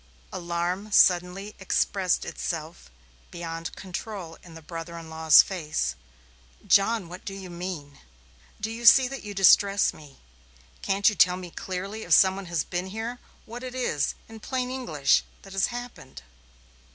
Alarm suddenly expressed itself beyond control in the brother in law's face. "John, what do you mean? Do you see that you distress me? Can't you tell clearly if some one has been here what it is, in plain English, that has happened?"